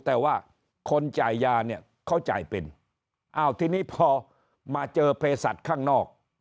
แต่ว่าคนจ่ายยาเขาจ่ายเป็นทีนี้พอมาเจอเพศสัตว์ข้างนอก